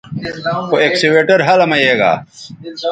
خو اکسویٹر ھلہ مہ یے گا